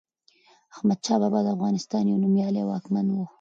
احمد شاه بابا دافغانستان يو نوميالي واکمن وه